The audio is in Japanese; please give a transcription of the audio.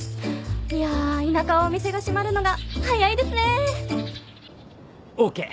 いや田舎はお店が閉まるのが早いですね。ＯＫ